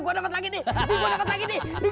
gue dapet lagi nek